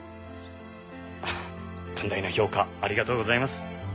あっ寛大な評価ありがとうございます。